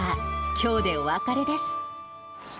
きょうでお別れです。